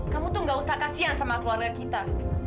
kamu tuh gak usah kasihan sama keluarga kita